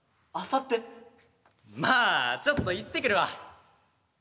まあちょっと行ってくるわ。